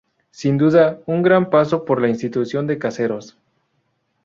Sin duda, un gran paso por la institución de Caseros.